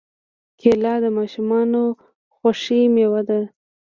کېله د ماشومانو خوښې مېوه ده.